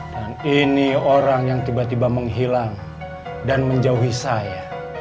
ini orang yang tiba tiba menghilang dan menjauhi saya